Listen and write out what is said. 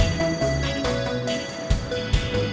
untuk brewie jawa serupisis